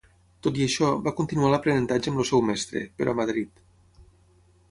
Tot i això, va continuar l'aprenentatge amb el seu mestre, però a Madrid.